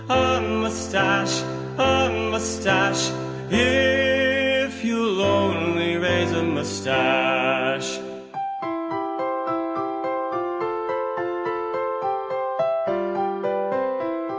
A moustache, a moustache, If you'll only raise a moustache.